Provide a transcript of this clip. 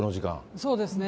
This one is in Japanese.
そうですね。